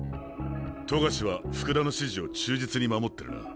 冨樫は福田の指示を忠実に守ってるな。